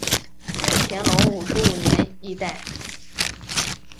清乾隆五十五年一带。